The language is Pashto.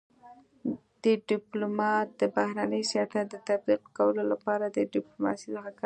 ډيپلومات دبهرني سیاست د تطبيق کولو لپاره د ډيپلوماسی څخه کار اخلي.